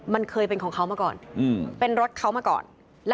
มันเคยเป็นของเขามาก่อนเป็นรถเขามาก่อน